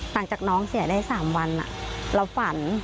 หลังจากน้องเสียได้๓วันเราฝัน